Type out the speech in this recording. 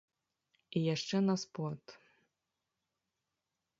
І яшчэ на спорт.